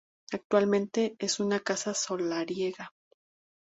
Actualmente, es una casa solariega.